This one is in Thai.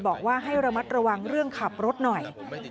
บอกว่าให้ระมัดระวังเรื่องขับรถหน่อย